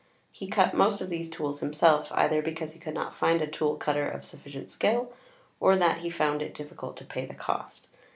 He cut most of these tools himself, either because he could not find a tool cutter of sufficient skill, or that he found it difficult to pay the cost.